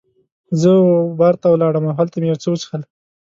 زه وه بار ته ولاړم او هلته مې یو څه وڅښل.